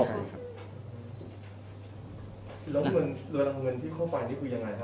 แล้วเหมือนเรือนังเงินที่เข้าไปนี่คือยังไงคะ